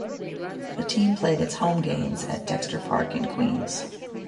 The team played its home games at Dexter Park in Queens.